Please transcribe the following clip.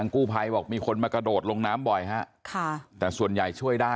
คิดอะไรเยอะ